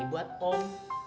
ini buat tom